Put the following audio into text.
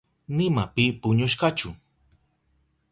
Nima pi puñushkachu.